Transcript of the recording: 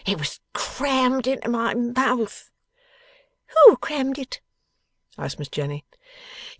'It was crammed into my mouth.' 'Who crammed it?' asked Miss Jenny.